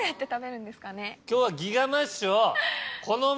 今日は。